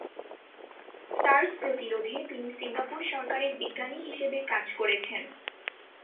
SARS প্রতিরোধ তিনি Singapore সরকারের বিজ্ঞানী হিসেবে কাজ করেছেন।